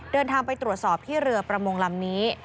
เดินทางไปตรวจสอบที่เรือประมงลำนี้